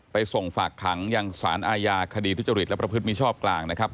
ส่งฝากขังยังสารอาญาคดีทุจริตและประพฤติมิชอบกลางนะครับ